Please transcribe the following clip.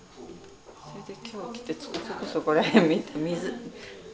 それで今日来てそこら辺見て水。